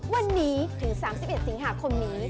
วันนี้ถึง๓๑สิงหาคมนี้